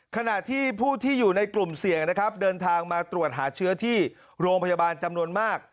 ขณะที่ผู้ที่อยู่ในกลุ่มเสี่ยงนะครับเดินทางมาตรวจหาเชื้อที่โรงพยาบาลจำนวนมาก